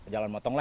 jalan motong lah